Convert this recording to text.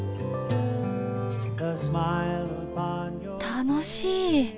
楽しい。